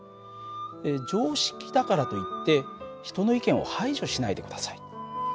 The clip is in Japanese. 常識だからといって人の意見を排除しないで下さい。